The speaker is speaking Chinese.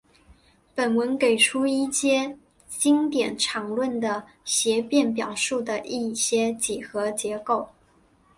本文给出一阶经典场论的协变表述的一些几何结构。